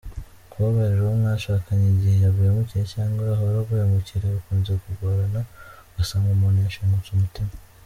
Kubabarira uwo mwashakanye igihe yaguhemukiye cyangwa ahora aguhemukira, bikunze kugorana, ugasanga umuntu yashengutse umutima.